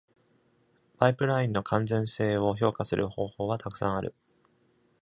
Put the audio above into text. パイプラインの完全性を評価する方法はたくさんある。